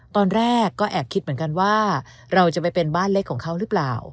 ตอนแรกก็แอบคิดเหมือนกันว่าเราจะไปเป็นบ้านเล็กของเขาหรือเปล่า